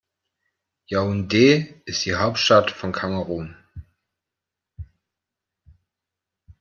Yaoundé ist die Hauptstadt von Kamerun.